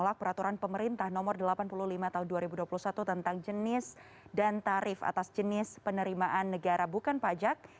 menolak peraturan pemerintah nomor delapan puluh lima tahun dua ribu dua puluh satu tentang jenis dan tarif atas jenis penerimaan negara bukan pajak